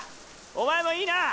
お前もいいな！